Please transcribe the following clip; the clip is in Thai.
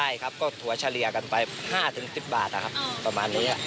เยี่ยม